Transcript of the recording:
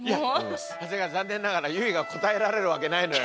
長谷川残念ながら結実が答えられるわけないのよ。